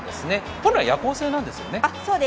本来、夜行性なんですよね。